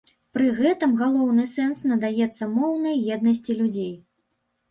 Пры гэтым галоўны сэнс надаецца моўнай еднасці людзей.